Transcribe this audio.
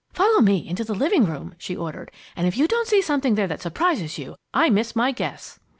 "Follow me into the living room," she ordered, "and if you don't see something there that surprises you, I miss my guess!"